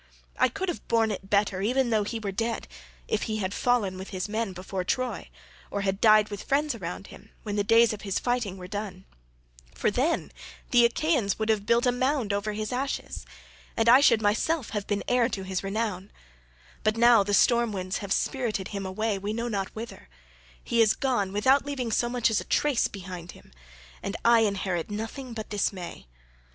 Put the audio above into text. I could have borne it better even though he were dead, if he had fallen with his men before Troy, or had died with friends around him when the days of his fighting were done; for then the Achaeans would have built a mound over his ashes, and I should myself have been heir to his renown; but now the storm winds have spirited him away we know not whither; he is gone without leaving so much as a trace behind him, and I inherit nothing but dismay.